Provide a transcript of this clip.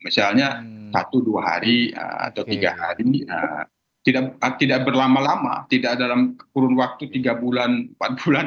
misalnya satu dua hari atau tiga hari tidak berlama lama tidak dalam kurun waktu tiga bulan empat bulan